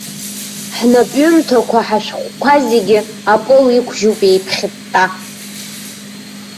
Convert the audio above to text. Ҳнапҩымҭақәа, ҳашәҟәқәа зегьы апол иқәжьуп еиԥхьытта.